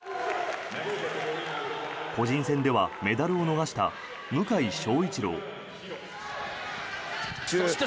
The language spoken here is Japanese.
個人戦ではメダルを逃した向翔一郎。